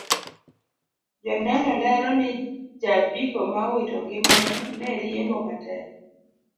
Joneno lero ni ja apiko ma owito ngimane ne riembo matek